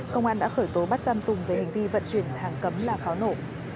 công an đã khởi tố bắt giam tùng về hành vi vận chuyển hàng cấm là pháo nổ